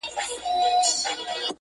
• اوس د هغه مولوي ژبه ګونګۍ ده -